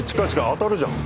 当たるじゃん。